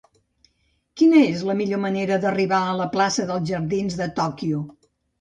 Quina és la millor manera d'arribar a la plaça dels Jardins de Tòquio?